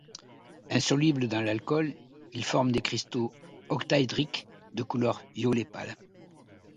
Insoluble dans l'alcool, il forme des cristaux octaédriques de couleur violet pâle.